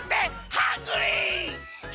ハングリー！